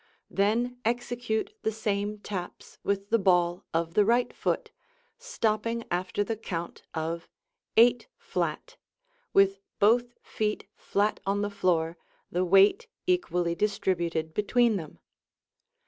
Then execute the same taps with the ball of the right foot, stopping after the count of "8 flat" with both feet flat on the floor, the weight equally distributed between them.